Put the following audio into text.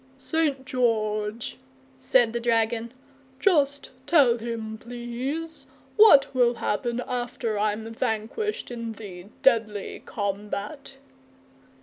"St. George," said the dragon, "Just tell him, please, what will happen after I'm vanquished in the deadly combat?"